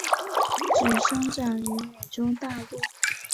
只生长于美洲大陆。